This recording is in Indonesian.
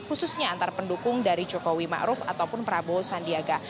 khususnya antara pendukung dari jokowi ma'ruf ataupun prabowo sandiaga